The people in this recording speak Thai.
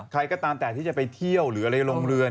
ใครก็ตามแต่ที่จะไปเที่ยวหรืออะไรโรงเรือน